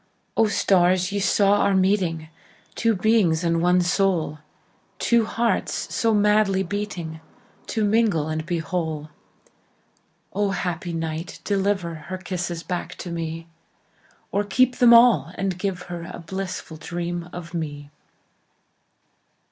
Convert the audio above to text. O, stars, ye saw our meeting, Two beings and one soul, Two hearts so madly beatingTo mingle and be whole!O, happy night, deliverHer kisses back to me, Or keep them all, and give herA blissful dream of me!